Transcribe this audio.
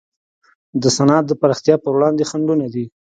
د صنعت د پراختیا پر وړاندې خنډونه دي.